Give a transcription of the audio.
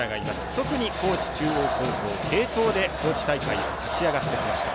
特に高知中央高校は継投で高知大会を勝ち上がってきました。